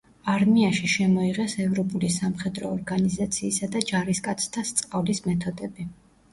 არმიაში შემოიღეს ევროპული სამხედრო ორგანიზაციისა და ჯარისკაცთა სწავლის მეთოდები.